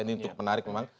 ini cukup menarik memang